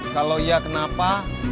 kalau iya kenapa